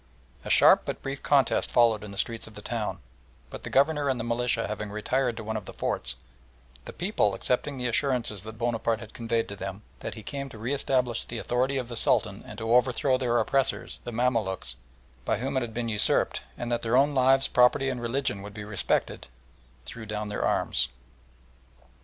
A sharp but brief contest followed in the streets of the town, but the Governor and the militia having retired to one of the forts, the people, accepting the assurances that Bonaparte had conveyed to them, that he came to re establish the authority of the Sultan and to overthrow their oppressors, the Mamaluks, by whom it had been usurped, and that their own lives, property, and religion would be respected, threw down their arms.